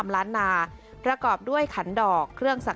และบ่านเมือง